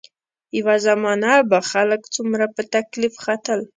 یوه زمانه به خلک څومره په تکلیف ختل.